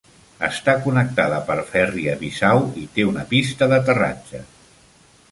Està connectada per ferri a Bissau i té una pista d'aterratge.